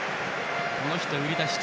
この人は売り出し中。